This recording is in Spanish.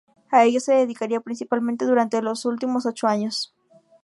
A ellos se dedicaría principalmente durante sus últimos ocho años.